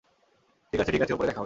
ঠিক আছে ঠিক আছে, উপরে দেখা হবে।